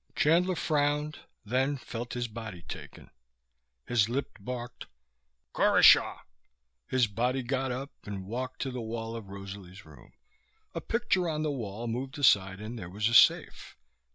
Chandler frowned; then felt his body taken. His lips barked: "Khorashaw!" His body got up and walked to the wall of Rosalie's room. A picture on the wall moved aside and there was a safe.